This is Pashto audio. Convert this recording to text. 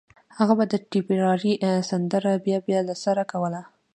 هغه به د ټيپيراري سندره بيا بيا له سره کوله